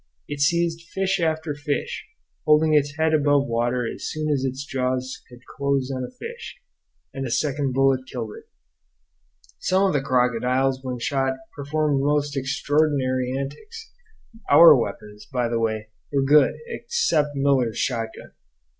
It seized fish after fish, holding its head above water as soon as its jaws had closed on a fish; and a second bullet killed it. Some of the crocodiles when shot performed most extraordinary antics. Our weapons, by the way, were good, except Miller's shotgun.